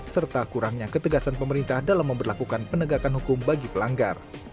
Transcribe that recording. serta kurangnya ketegasan pemerintah dalam memperlakukan penegakan hukum bagi pelanggar